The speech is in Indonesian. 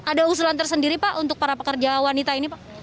ada usulan tersendiri pak untuk para pekerja wanita ini pak